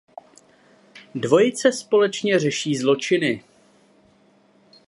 Dvojice společně řeší zločiny.